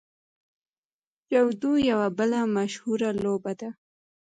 جودو یوه بله مشهوره لوبه ده.